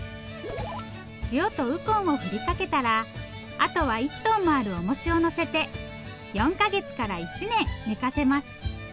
塩とウコンを振りかけたらあとは１トンもあるおもしをのせて４か月から１年寝かせます。